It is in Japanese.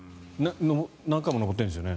何回も登ってるんですよね。